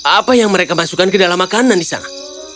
apa yang mereka masukkan ke dalam makanan di sana